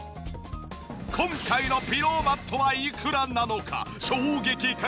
今回のピローマットはいくらなのか？